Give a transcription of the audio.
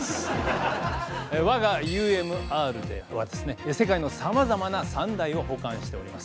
我がＵＭＲでは世界のさまざまな三大を保管しております。